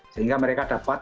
sehingga mereka dapat